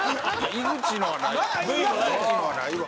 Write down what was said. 井口のはないわ。